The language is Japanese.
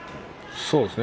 そうですね